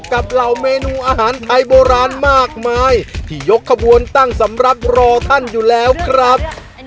เหล่าเมนูอาหารไทยโบราณมากมายที่ยกขบวนตั้งสำหรับรอท่านอยู่แล้วครับ